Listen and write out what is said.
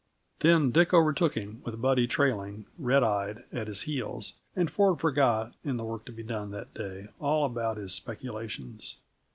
Then Dick overtook him with Buddy trailing, red eyed, at his heels, and Ford forgot, in the work to be done that day, all about his speculations.